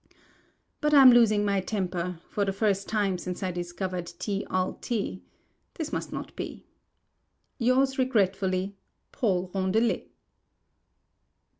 But I am losing my temper, for the first time since I discovered Te a Iti. This must not be.—Yours regretfully, PAUL RONDELET.